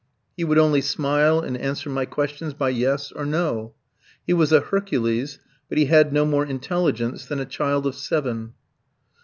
He would only smile and answer my questions by "yes" or "no." He was a Hercules, but he had no more intelligence than a child of seven.